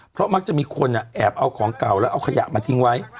เพราะมักจะมีคนแอบเอาของเก่าแล้วเอาขยะมาทิ้งไว้